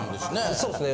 そうですね。